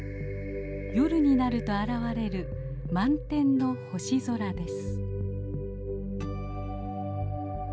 夜になると現れる満天の星空です。